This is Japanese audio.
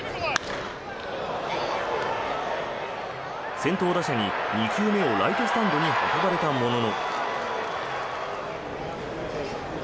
先頭打者に２球目をライトスタンドに運ばれたものの。